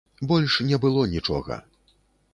Больш не было нічога.